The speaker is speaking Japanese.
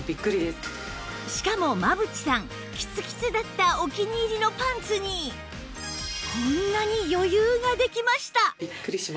しかも真渕さんキツキツだったお気に入りのパンツにこんなに余裕ができました！